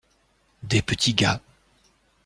Des petits gars.